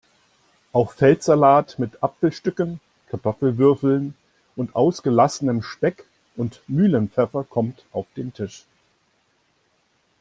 Auch Feldsalat mit Apfelstücken, Kartoffelwürfeln und ausgelassenem Speck und Mühlenpfeffer kommt auf den Tisch.